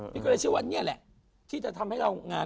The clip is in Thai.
พี่ก็เลยเชื่อว่านี่แหละที่จะทำให้เรางาน